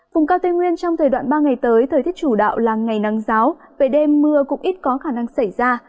vùng cao tây nguyên trong thời đoạn ba ngày tới thời tiết chủ đạo là ngày nắng giáo về đêm mưa cũng ít có khả năng xảy ra